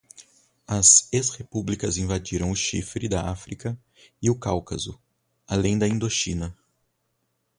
As ex-repúblicas invadiram o Chifre da África e o Cáucaso, além da Indochina